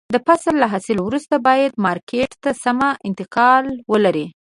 د فصل له حاصل وروسته باید مارکېټ ته سمه انتقال ولري.